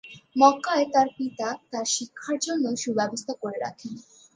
মক্কায় তার পিতা তার শিক্ষার জন্য সু-ব্যবস্থা করে রাখেন।